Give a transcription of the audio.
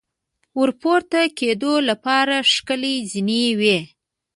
ور پورته کېدو لپاره ښکلې زینې وې.